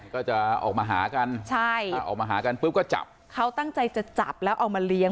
ก็จะออกมาหากันใช่ออกมาหากันปุ๊บก็จับเขาตั้งใจจะจับแล้วเอามาเลี้ยง